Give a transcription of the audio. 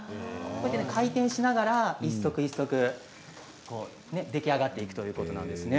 回転しながら一足一足出来上がっていくということなんですね。